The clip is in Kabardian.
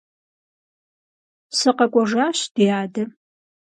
СыкъэкӀуэжащ, ди адэ.